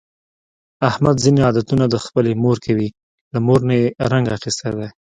احمد ځني عادتونه د خپلې مور کوي، له مور نه یې رنګ اخیستی دی.